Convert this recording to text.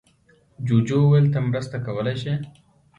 جوجو وویل ته مرسته کولی شې.